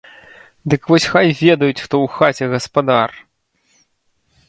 Дык вось хай ведаюць, хто ў хаце гаспадар!